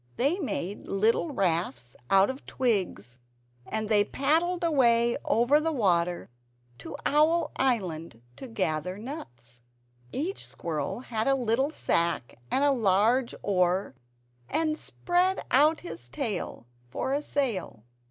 They made little rafts out of twigs, and they paddled away over the water to Owl Island to gather nuts. Each squirrel had a little sack and a large oar, and spread out his tail for a sail.